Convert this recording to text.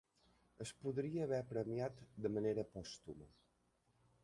Es podria haver premiat de manera pòstuma.